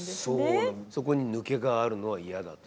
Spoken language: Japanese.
そこに抜けがあるのは嫌だと。